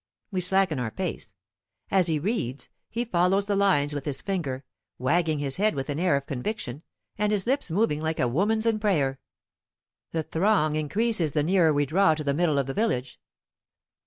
We slacken our pace. As he reads, he follows the lines with his finger, wagging his head with an air of conviction, and his lips moving like a woman's in prayer. The throng increases the nearer we draw to the middle of the village.